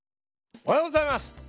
おはようございます。